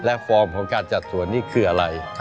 และฟอร์มของการจัดส่วนนี้คืออะไร